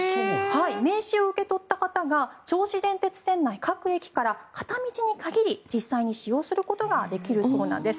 名刺を受け取った方が銚子電鉄線内各駅から片道に限り実際に使用することができるそうなんです。